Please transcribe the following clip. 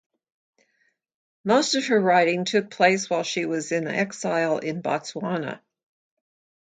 Most of her writing took place while she was in exile in Botswana.